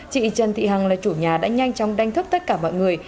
vì vậy chị trần thị hằng là chủ nhà đã nhanh chóng đánh thức tất cả mọi người